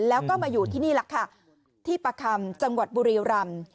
แล้วก็มาอยู่ที่นี่แหละค่ะที่ประคำจังหวัดบุรีรำ